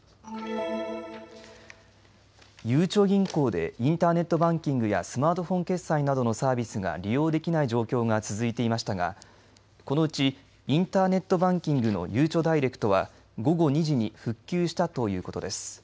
ゆうちょ銀行でインターネットバンキングやスマートフォン決済などのサービスが利用できない状況が続いていましたがこのうちインターネットバンキングのゆうちょダイレクトは午後２時に復旧したということです。